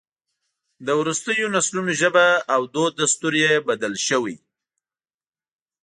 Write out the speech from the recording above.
د وروستیو نسلونو ژبه او دود دستور یې بدل شوی.